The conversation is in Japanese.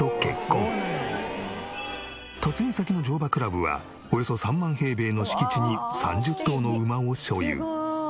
嫁ぎ先の乗馬クラブはおよそ３万平米の敷地に３０頭の馬を所有。